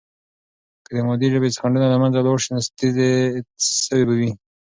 که د مادی ژبې خنډونه له منځه ولاړ سي، نو تیزي سوې به وي.